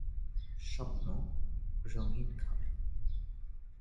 স্বপ্ন রঙ্গিন খামে।।